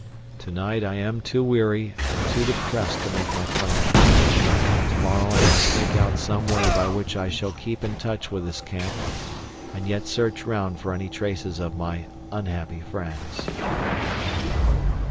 To night I am too weary and too depressed to make my plans. To morrow I must think out some way by which I shall keep in touch with this camp, and yet search round for any traces of my unhappy friends.